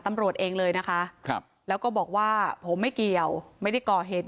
ตำรวจเองเลยนะคะครับแล้วก็บอกว่าผมไม่เกี่ยวไม่ได้ก่อเหตุ